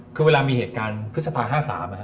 คือเวลามีเหตุการณ์พฤษภา๕๓